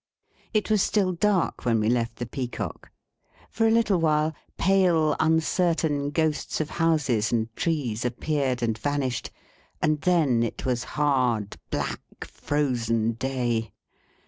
It was still dark when we left the Peacock. For a little while, pale, uncertain ghosts of houses and trees appeared and vanished, and then it was hard, black, frozen day.